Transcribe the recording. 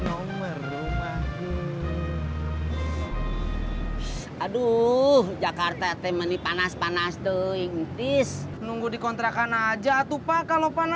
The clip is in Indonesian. oh enggak be